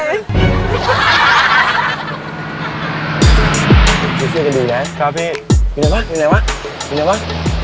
ตามสื่อเซียกันดีเลยนะครับพี่เป็นไงล่ะเป็นไงล่ะเป็นไงล่ะ